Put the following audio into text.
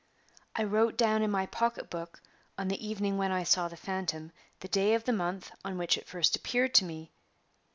I wrote down in my pocketbook, on the evening when I saw the phantom, the day of the month on which it first appeared to me.